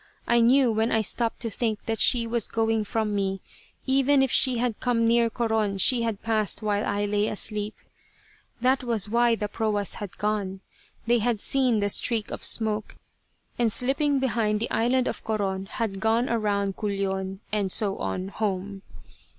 I knew when I stopped to think that she was going from me. Even if she had come near Coron she had passed while I lay asleep. That was why the proas had gone. They had seen the streak of smoke, and slipping behind the island of Coron had gone around Culion, and so on, home.